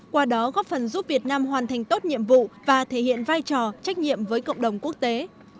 qua đó góp phần giúp việt nam hoàn thành tốt nhiệm vụ và thể hiện vai trò trách nhiệm với cộng đồng quốc tế